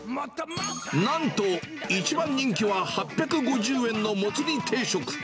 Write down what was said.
なんと一番人気は８５０円のもつ煮定食。